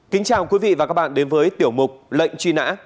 kính chào quý vị và các bạn đến với tiểu mục lệnh truy nã